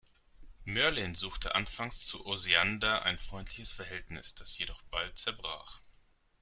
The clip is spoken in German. Mörlin suchte anfangs zu Osiander ein freundliches Verhältnis, das jedoch bald zerbrach.